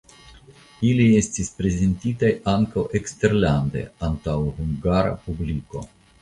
Ili estis prezentitaj ankaŭ eksterlande antaŭ hungara publiko.